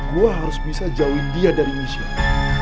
gue harus bisa jauhin dia dari misi